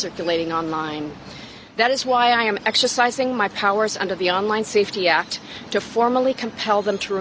itulah mengapa saya menguasai kekuatan saya di bawah tni an untuk mempercepat mereka secara formal untuk menghilangkannya